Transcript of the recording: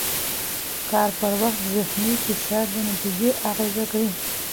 کار پر وخت ذهني فشار د نتیجې اغېز کوي.